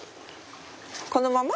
このまま？